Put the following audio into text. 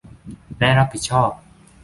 และรับผิดชอบ